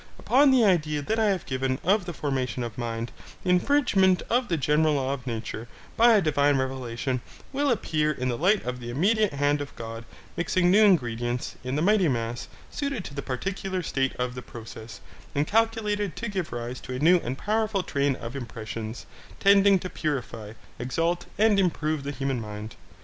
Upon the idea that I have given of the formation of mind, the infringement of the general law of nature, by a divine revelation, will appear in the light of the immediate hand of God mixing new ingredients in the mighty mass, suited to the particular state of the process, and calculated to give rise to a new and powerful train of impressions, tending to purify, exalt, and improve the human mind.